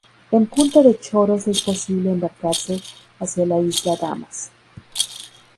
En punta de Choros es posible embarcarse hacia la isla Damas.